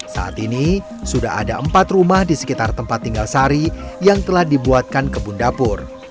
saat ini sudah ada empat rumah di sekitar tempat tinggal sari yang telah dibuatkan kebun dapur